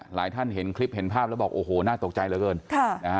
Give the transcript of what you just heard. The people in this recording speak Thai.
หลายท่านเห็นคลิปเห็นภาพแล้วบอกโอ้โหน่าตกใจเหลือเกินค่ะนะฮะ